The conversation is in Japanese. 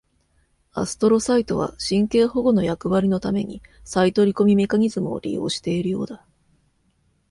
アストロサイトは、神経保護の役割のために再取り込みメカニズムを利用しているようだ。